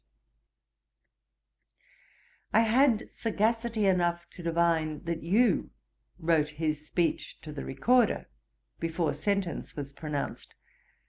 'I had sagacity enough to divine that you wrote his speech to the Recorder, before sentence was pronounced.